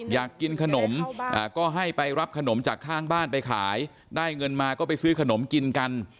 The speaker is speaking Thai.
อยากกินขนมก็ให้ไปรับขนมจากข้างบ้านไปขายได้เงินมาก็ไปซื้อขนมกินกัน